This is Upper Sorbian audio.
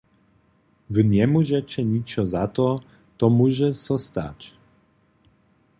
Wy njemóžeće ničo za to, to móže so stać.